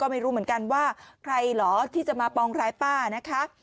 ไม่รู้เหมือนกันว่าใครเหรอที่จะมาปองร้ายป้านะคะ